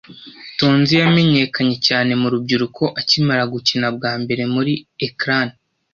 Tonzi yamenyekanye cyane mu rubyiruko akimara gukina bwa mbere kuri ecran.